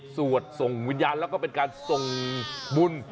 สวดส่งวิญญาณแล้วก็เป็นการส่งบุญ